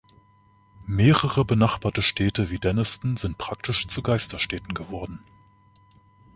Mehrere benachbarte Städte wie Denniston sind praktisch zu Geisterstädten geworden.